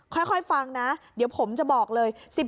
ค่อยฟังนะเดี๋ยวผมจะบอกเลย